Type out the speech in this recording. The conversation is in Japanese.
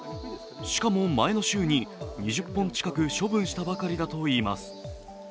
しかも前の週に２０本近く処分したばかりだといいます。